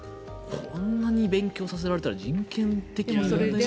こんなに勉強させられたら人権的にも。